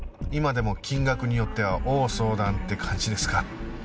今でも金額によっては応相談って感じですか？